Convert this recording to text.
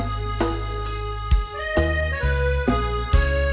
มันอาจมีที่เราดูว่าลูกตัวลูกปรับเดิม